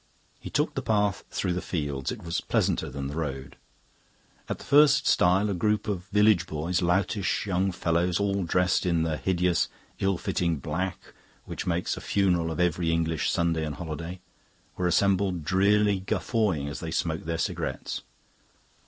He took the path through the fields; it was pleasanter than the road. At the first stile a group of village boys, loutish young fellows all dressed in the hideous ill fitting black which makes a funeral of every English Sunday and holiday, were assembled, drearily guffawing as they smoked their cigarettes.